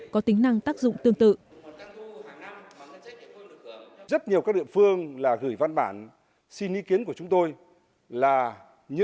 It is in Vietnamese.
có tính năng tác dụng tương tự